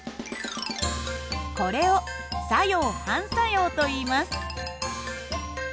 これを作用・反作用といいます。